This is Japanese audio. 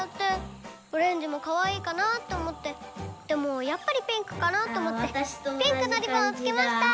オレンジもかわいいかなって思ってでもやっぱりピンクかなって思ってピンクのリボンをつけました！